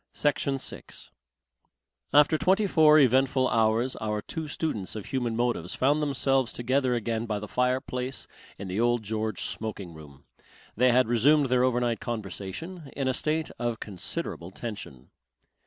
Section 6 After twenty four eventful hours our two students of human motives found themselves together again by the fireplace in the Old George smoking room. They had resumed their overnight conversation, in a state of considerable tension.